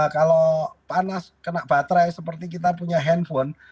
kalau panas kena baterai seperti kita punya handphone